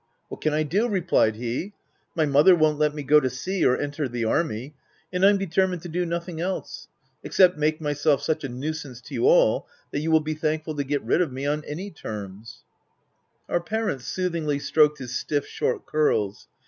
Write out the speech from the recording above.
« What can I do ?? replied he, " my mother won't let me go to sea or enter the army ; and I'm determined to do nothing else — except make myself such a nuisance to you all, that you will be thankful to get rid of me, on any OF W1LDFELL HALL. 11 Our parent soothingly stroked his stiff, short curls.